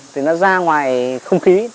thì nó ra ngoài không khí